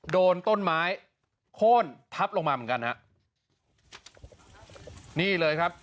โดนต้นไม้โค้นทับลงมาเหมือนกันฮะนี่เลยครับ